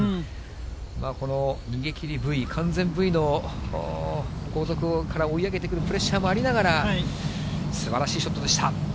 この逃げきりＶ、完全Ｖの、後続から追い上げてくるプレッシャーもありながら、すばらしいショットでした。